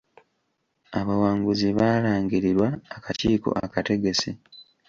Abawanguzi baalangirirwa akakiiko akategesi.